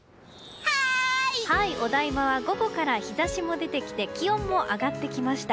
お台場は午後から日差しも出てきて気温も上がってきました。